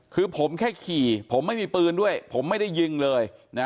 คือผมแค่ขี่ผมไม่มีปืนด้วยผมไม่ได้ยิงเลยนะ